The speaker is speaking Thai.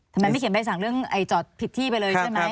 ทำไมไม่เขียนใบสั่งเรื่องจอดผิดที่ไปเลยใช่ไหม